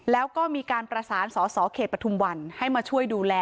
แล้วก็มีการประสานสสเขตปฐุมวันให้มาช่วยดูแล